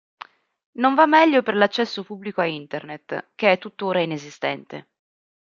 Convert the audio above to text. Non va meglio per l'accesso pubblico a internet che è tuttora inesistente.